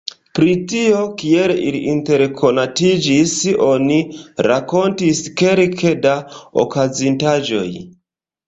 Pri tio, kiel ili interkonatiĝis, oni rakontis kelke da okazintaĵoj.